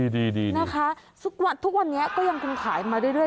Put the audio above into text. ดีนะคะทุกวันนี้ก็ยังคงขายมาเรื่อย